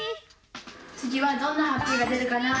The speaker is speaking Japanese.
つぎはどんなハッピーがでるかな？